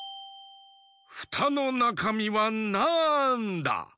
フタのなかみはなんだ？